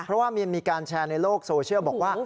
เพราะว่ามีการแชร์ในโลกโซเชียลบอกว่า